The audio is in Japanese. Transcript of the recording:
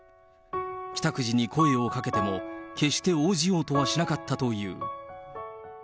帰宅時に声をかけても、決して応じようとはしなかったという。